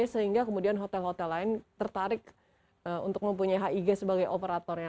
sehingga kemudian hotel hotel lain tertarik untuk mempunyai hig sebagai operatornya